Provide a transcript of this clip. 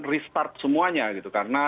restart semuanya karena